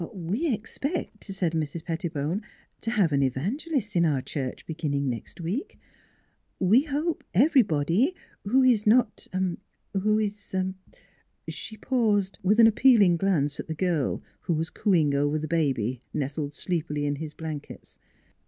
" We expect," said Mrs. Pettibone, " to have an evangelist in our church beginning next week. We hope everybody who is not who is " She paused, with an appealing glance at the girl who was cooing over the baby, nestled sleep ily in his blankets.